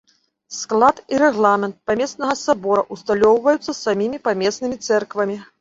Склад і рэгламент памеснага сабора ўсталёўваюцца самімі памеснымі цэрквамі.